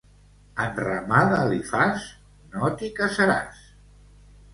Enramada li fas? No t'hi casaràs.